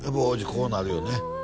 こうなるよね